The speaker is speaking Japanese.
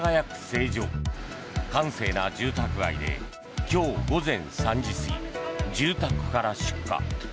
閑静な住宅街で今日午前３時過ぎ住宅から出火。